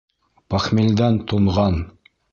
Похмелдән тонған.